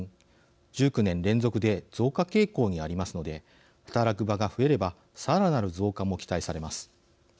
１９年連続で増加傾向にありますので働く場が増えればさらなる増加も期待されます。